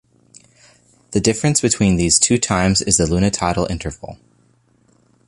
The difference between these two times is the lunitidal interval.